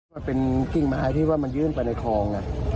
มันเป็นกิ้งไม้ที่ว่ามันยื่นไปในคลอง